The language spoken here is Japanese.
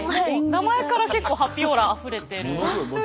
名前から結構ハッピーオーラあふれてる。